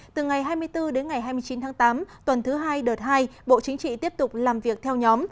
từ ngày hai mươi bốn đến ngày hai mươi chín tháng tám tuần thứ hai đợt hai bộ chính trị tiếp tục làm việc theo nhóm